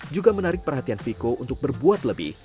juga menarik perhatian viko untuk berbuat lebih